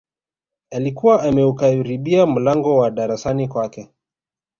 Alikuwa ameukaribia mlango wa darasani kwake